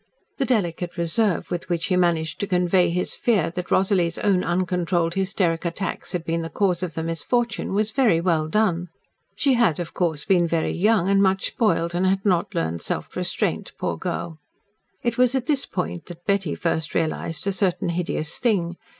The delicate reserve with which he managed to convey his fear that Rosalie's own uncontrolled hysteric attacks had been the cause of the misfortune was very well done. She had, of course, been very young and much spoiled, and had not learned self restraint, poor girl. It was at this point that Betty first realised a certain hideous thing.